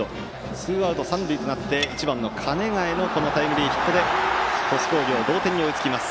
ツーアウト三塁となって１番の鐘ヶ江のタイムリーヒットで鳥栖工業が同点に追いつきます。